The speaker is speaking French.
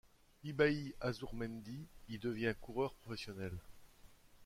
Ibai Azurmendi y devient coureur professionnel.